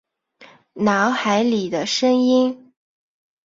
脑海里的声音